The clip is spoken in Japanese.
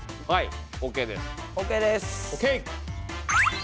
はい。